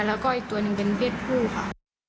แล้วก็อีกตัวหนึ่งเป็นเพศผู้ค่ะ